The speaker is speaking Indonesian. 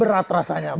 berat rasanya pak